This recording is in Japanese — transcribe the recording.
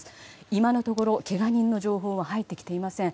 今のところ、けが人の情報は入ってきていません。